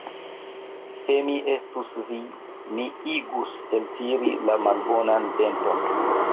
Se mi estus vi, mi igus eltiri la malbonan denton.